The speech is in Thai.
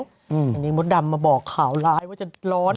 อันนี้มดดำมาบอกข่าวร้ายว่าจะร้อน